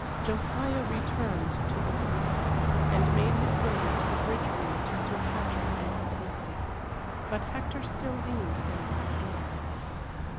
Josiah returned to the saloon, and made his way to the bridge room to Sir Patrick and his hostess; but Hector still leaned against the door.